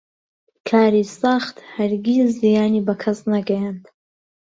کاری سەخت هەرگیز زیانی بە کەس نەگەیاند.